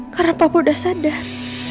karena papa udah sadar